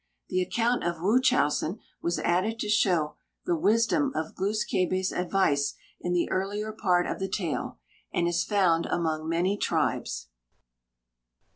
The account of Wūchowsen was added to show the wisdom of Glūs kābé's advice in the earlier part of the tale, and is found among many tribes.